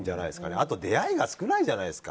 あと出会いが少ないじゃないですか。